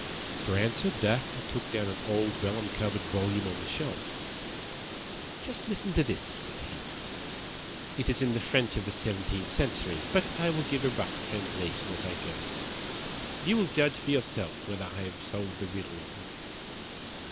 For answer Dacre took down an old vellum covered volume from the shelf. "Just listen to this," said he; "it is in the French of the seventeenth century, but I will give a rough translation as I go. You will judge for yourself whether I have solved the riddle or not.